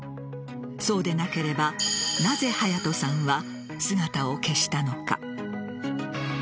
そうでなければなぜ隼都さんは姿を消したのか。